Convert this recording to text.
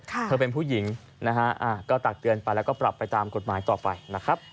เธอเป็นผู้หญิงนะฮะก็ตักเตือนไปแล้วก็ปรับไปตามกฎหมายต่อไปนะครับ